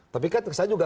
tapi kan saya juga